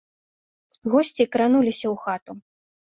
Госці крануліся ў хату.